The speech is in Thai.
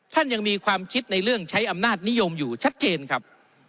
ท่านยังมีความคิดในเรื่องใช้อำนาจนิยมอยู่ชัดเจนครับ